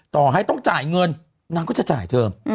ต่อให้ต้องจ่ายเงินนางก็จะจ่ายเธอ